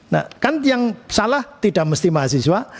nah kan yang salah tidak mesti mahasiswa